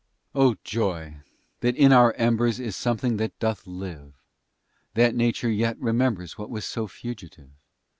O joy! that in our embers Is something that doth live, That nature yet remembers What was so fugitive!